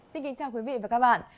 xin kính chào quý vị và các bạn